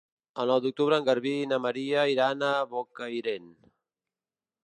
El nou d'octubre en Garbí i na Maria iran a Bocairent.